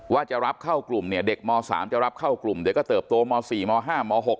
ว่าจะรับเข้ากลุ่มเนี่ยเด็กม๓จะรับเข้ากลุ่มเดี๋ยวก็เติบโตม๔ม๕ม๖